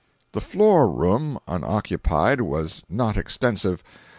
The floor room unoccupied was not extensive.